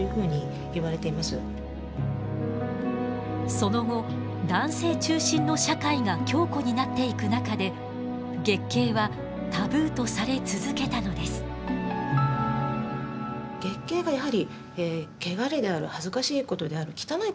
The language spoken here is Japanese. その後男性中心の社会が強固になっていく中で月経はタブーとされ続けたのです。